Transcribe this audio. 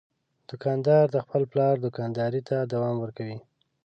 دوکاندار د خپل پلار دوکانداري ته دوام ورکوي.